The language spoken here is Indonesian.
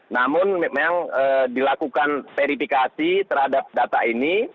namun memang dilakukan verifikasi terhadap data ini